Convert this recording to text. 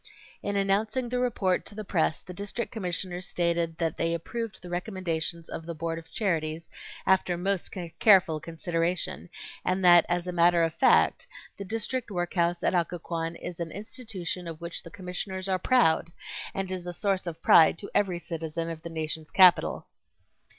In announcing the report to the press the District Commissioners stated that they approved the recommendations of the Board of Charities "after most careful consideration," and that "as a matter of fact, the District workhouse at Occoquan is an institution of which the commissioners are proud, and is a source of pride to every citizen of the nation's Capital."